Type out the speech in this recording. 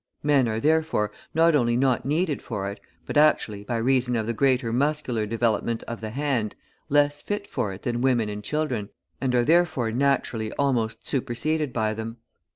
Men are, therefore, not only not needed for it, but actually, by reason of the greater muscular development of the hand, less fit for it than women and children, and are, therefore, naturally almost superseded by them.